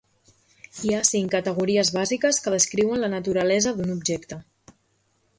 Hi ha cinc categories bàsiques que descriuen la naturalesa d'un objecte.